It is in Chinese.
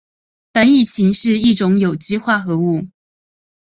苯乙腈是一种有机化合物。